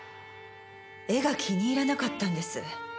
絵が気に入らなかったんです。